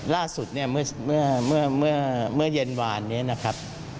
ล่าสุดเมื่อเย็นหวานนี้นะครับ